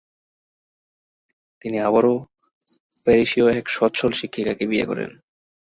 তিনি আবারও প্যারিসীয় এক সচ্ছল শিক্ষিকাকে বিয়ে করেন।